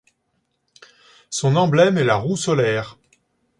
Son emblème est la roue solaire.